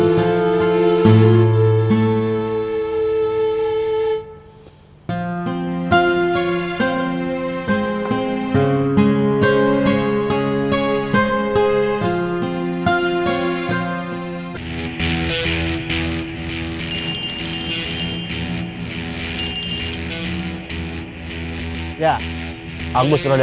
ya aku sudah diamankan tempat kemarin